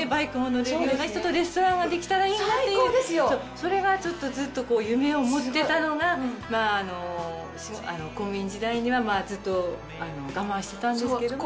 それがずっと夢を持ってたのが公務員時代にはずっと我慢してたんですけれども。